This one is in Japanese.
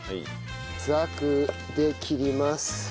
ざくで切ります。